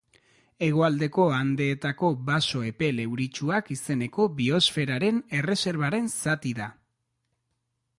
Hegoaldeko Andeetako Baso Epel Euritsuak izeneko Biosferaren Erreserbaren zati da.